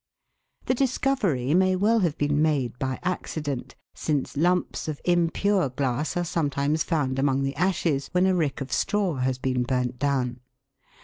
The discovery may well have been made by accident, since lumps of impure glass are sometimes found among the ashes when a rick of straw has been burnt down.